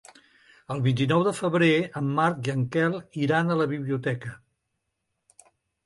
El vint-i-nou de febrer en Marc i en Quel iran a la biblioteca.